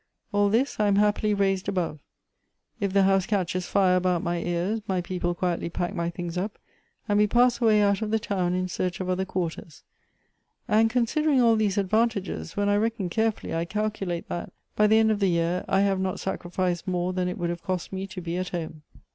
All this I am happily raised above. If the house catches fire about my ears, my people quietly pack my things up, and we pass away out of the town in search of other quarters. And considering all these ad vantages, when I reckon carefully, I calculate that, by the end of the year, I have not sacrificed more than it would have cost me to be at home."